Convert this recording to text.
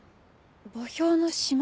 「墓標の島」？